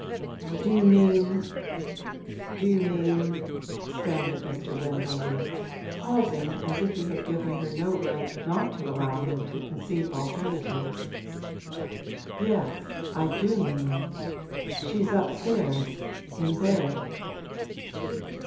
'Do you mean do you mean ?' stammered Mr. Wendover, pausing as if he had given her no right not to allow him to conceive alternatives. 'Yes, I do mean. She's upstairs, in bed.'